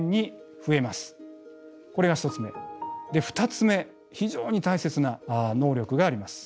２つ目非常に大切な能力があります。